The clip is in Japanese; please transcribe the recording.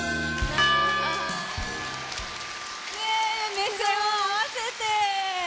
目線を合わせて。